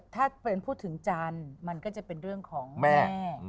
ถ้าเป็นพูดถึงจันทร์มันก็จะเป็นเรื่องของแม่